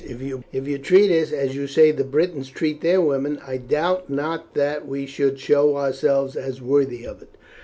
If you treat us as you say the Britons treat their women, I doubt not that we should show ourselves as worthy of it."